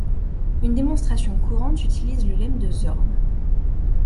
Une démonstration courante utilise le lemme de Zorn.